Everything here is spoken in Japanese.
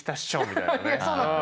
みたいなね。